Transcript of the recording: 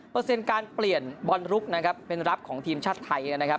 เปอร์เซ็นต์การเปลี่ยนบอลลุคเป็นรับของทีมชาติไทย